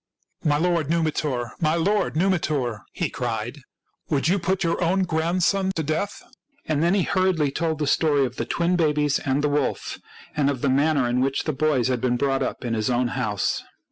" My lord Numitor, my lord Numitor," he cried, "would you put your own grandson to death?" And then he hurriedly told the story of the twin HOW ROME WAS FOUNDED 191 babies and the wolf, and of the manner in which the boys had been brought up in his own house.